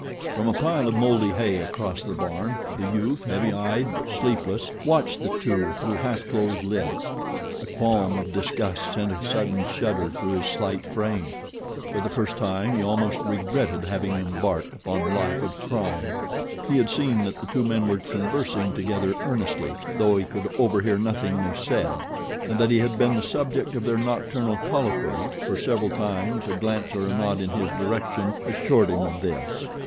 From a pile of mouldy hay across the barn the youth, heavy eyed but sleepless, watched the two through half closed lids. A qualm of disgust sent a sudden shudder through his slight frame. For the first time he almost regretted having embarked upon a life of crime. He had seen that the two men were conversing together earnestly, though he could over hear nothing they said, and that he had been the subject of their nocturnal colloquy, for several times a glance or a nod in his direction assured him of this.